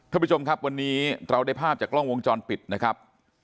ท่านผู้ชมครับวันนี้เราได้ภาพจากกล้องวงจรปิดนะครับ